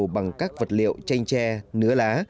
bằng các vật liệu chanh tre nứa lá